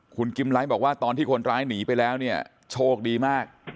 คุณกิมไลท์บอกว่าตอนที่คนร้ายหนีไปแล้วเนี่ยโชคดีมาก